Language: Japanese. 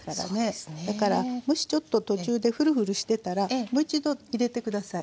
だからもしちょっと途中でフルフルしてたらもう一度入れて下さい。